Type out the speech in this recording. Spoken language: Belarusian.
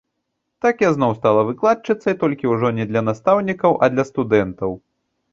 Так я зноў стала выкладчыцай, толькі ўжо не для настаўнікаў, а для студэнтаў.